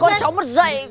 con cháu mất dậy